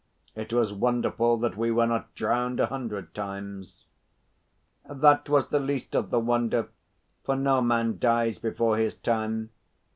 "It was wonderful that we were not drowned a hundred times." "That was the least of the wonder, for no man dies before his time.